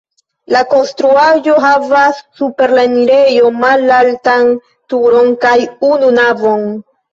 La konstruaĵo havas super la enirejo malaltan turon kaj unu navon.